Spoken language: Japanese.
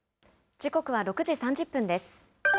時刻は６時３０分です。